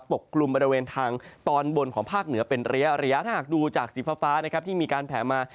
กลุ่มบริเวณทางตอนบนของภาคเหนือเป็นระยะถ้าหากดูจากสีฟ้านะครับที่มีการแผลมา